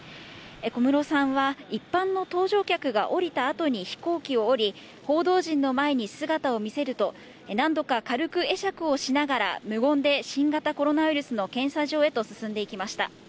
小室さんは一般の搭乗客が降りたあとに飛行機を降り、報道陣の前に姿を見せると、何度か軽く会釈をしながら、無言で新型コロナウイルスの検査場へと進んでいきました。